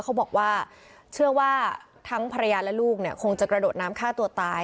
เขาบอกว่าเชื่อว่าทั้งภรรยาและลูกเนี่ยคงจะกระโดดน้ำฆ่าตัวตาย